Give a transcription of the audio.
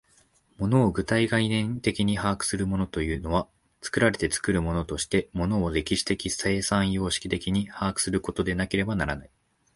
物を具体概念的に把握するというのは、作られて作るものとして物を歴史的生産様式的に把握することでなければならない。